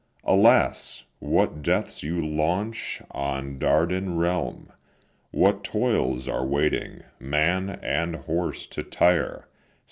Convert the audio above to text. Alas! what deaths you launch on Dardan realm! What toils are waiting, man and horse to tire!